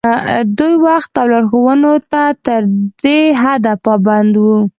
دوی وخت او لارښوونو ته تر دې حده پابند وو.